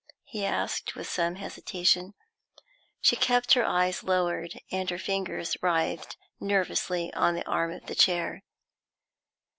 he asked, with some hesitation. She kept her eyes lowered, and her fingers writhed nervously on the arm of the chair.